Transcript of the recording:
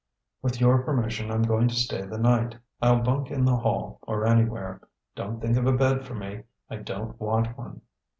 With your permission, I'm going to stay the night. I'll bunk in the hall, or anywhere. Don't think of a bed for me; I don't want one."